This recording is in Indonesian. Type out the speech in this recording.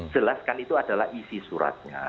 jelaskan itu adalah isi suratnya